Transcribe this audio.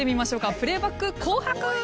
プレーバック「紅白」。